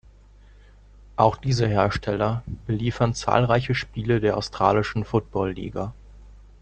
Auch diese Hersteller beliefern zahlreiche Spiele der australischen Football-Liga.